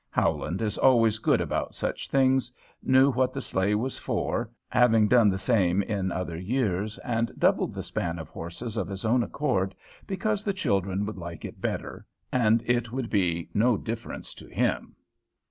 Howland is always good about such things, knew what the sleigh was for, having done the same in other years, and doubled the span of horses of his own accord, because the children would like it better, and "it would be no difference to him."